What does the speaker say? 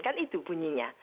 kan itu bunyinya